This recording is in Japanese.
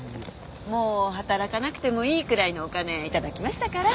もう働かなくてもいいくらいのお金頂きましたから。